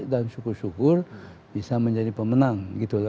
dan syukur syukur bisa menjadi pemenang